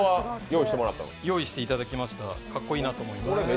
用意していただきました、かっこいいなと思います。